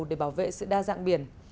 để bảo vệ sự đa dạng biển